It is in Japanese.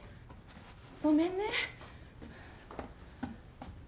ごめんね。